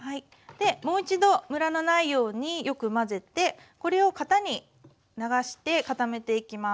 もう一度ムラのないようによく混ぜてこれを型に流して固めていきます。